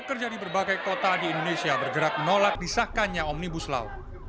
pekerja di berbagai kota di indonesia bergerak menolak disahkannya omnibus law